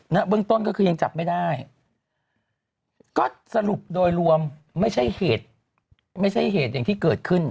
เบื้องต้นก็คือยังจับไม่ได้ก็สรุปโดยรวมไม่ใช่เหตุไม่ใช่เหตุอย่างที่เกิดขึ้น